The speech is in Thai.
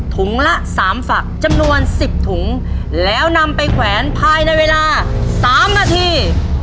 ถุงละ๓ฝักจำนวน๑๐ถุงแล้วนำไปแขวนภายในเวลา๓นาที